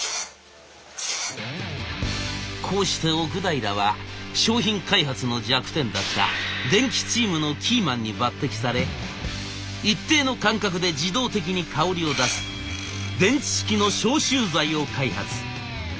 こうして奥平は商品開発の弱点だった電気チームのキーマンに抜てきされ一定の間隔で自動的に香りを出す電池式の消臭剤を開発。